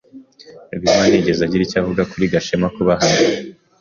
Rwema ntiyigeze agira icyo avuga kuri Gashema kuba hano.